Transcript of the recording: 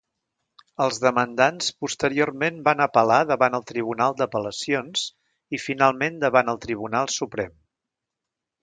Els demandants posteriorment van apel·lar davant el Tribunal d'Apel·lacions i finalment davant el Tribunal Suprem.